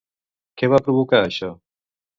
Què va provocar això?